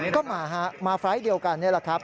ก็มาฮะมาไฟล์ทเดียวกันนี่แหละครับ